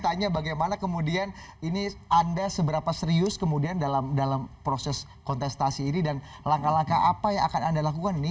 saya tanya bagaimana kemudian ini anda seberapa serius kemudian dalam proses kontestasi ini dan langkah langkah apa yang akan anda lakukan ini